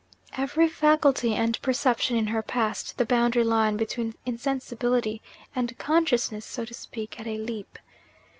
Every faculty and perception in her passed the boundary line between insensibility and consciousness, so to speak, at a leap.